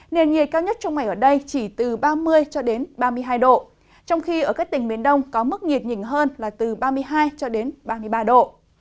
nền nhiệt cao nhất trong mảnh ở đây chỉ từ ba mươi cho đến ba mươi hai độ trong khi ở các tỉnh miền đông có mức nhiệt nhìn hơn là từ ba mươi hai ba mươi ba độ